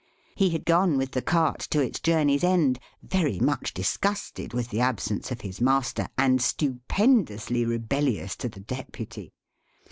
He had gone with the cart to its journey's end, very much disgusted with the absence of his master, and stupendously rebellious to the Deputy.